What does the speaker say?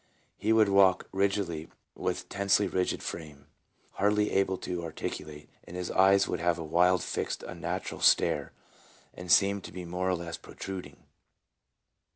He would walk rigidly with tensely rigid frame, hardly be able to articulate, and his eyes would INSANITY. 255 have a wild, fixed, and unnatural stare, and seem to be more or less protruding.